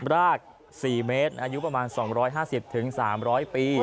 ราก๔เมตรอายุประมาณ๒๕๐๓๐๐ปี